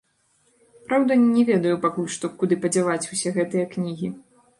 Праўда, не ведаю пакуль што, куды падзяваць усе гэтыя кнігі.